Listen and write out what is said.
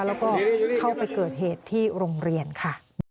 แล้วก็เข้าไปเกิดเหตุที่โรงเรียนค่ะ